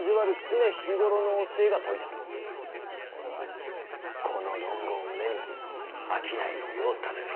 俺はこの「論語」を胸に商いの世を闘いてぇ。